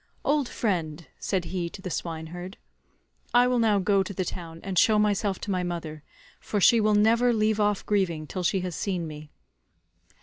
"Old friend," said he to the swineherd, "I will now go to the town and show myself to my mother, for she will never leave off grieving till she has seen me.